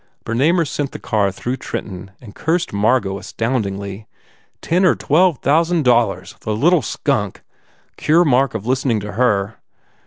Bernamer sent the car through Trenton and cursed Margot astoundingly. "Ten or twelve thousand dollars! The little skunk! Cure Mark of listening to her.